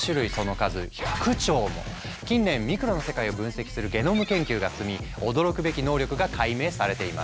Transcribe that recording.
およそ近年ミクロの世界を分析するゲノム研究が進み驚くべき能力が解明されています。